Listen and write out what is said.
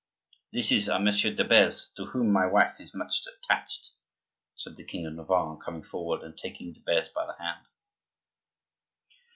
"This is Monsieur de Beze, to whom my wife is much attached," said the king of Navarre, coming forward and taking de Beze by the hand.